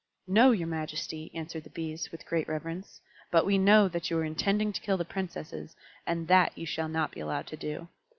"No, your majesty," answered the Bees, with great reverence; "but we know that you are intending to kill the Princesses, and that you shall not be allowed to do.